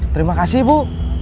terima kasih bu